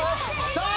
さあ！